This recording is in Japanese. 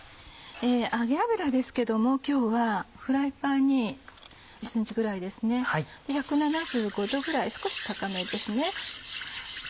揚げ油ですけども今日はフライパンに１ｃｍぐらいですね１７５℃ぐらい少し高めですね。